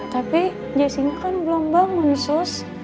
tapi jessy kan kan belum bangun sus